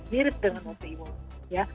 mirip dengan otoimun ya